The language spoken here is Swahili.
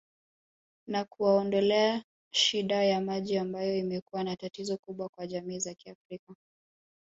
Na kuwaondolea shida ya maji ambayo imekuwa ni tatizo kubwa kwa jamii za kiafrika